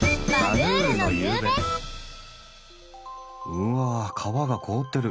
うわ川が凍ってる。